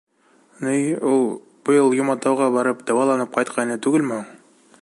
— Ни, ул, быйыл Йоматауға барып, дауаланып ҡайтҡайны түгелме һуң?